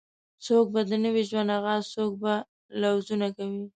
څوک به د نوې ژوند آغاز څوک به لوظونه کوي